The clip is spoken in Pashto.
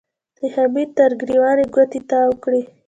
د حميد تر ګرېوان يې ګوتې تاوې کړې.